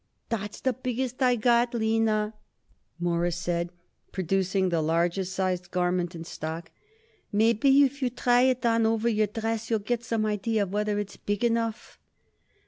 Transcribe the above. "That's the biggest I got, Lina," Morris said, producing the largest size garment in stock. "Maybe if you try it on over your dress you'll get some idea of whether it's big enough."